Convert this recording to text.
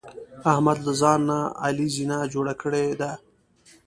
احمد له ځان نه علي زینه جوړه کړې ده.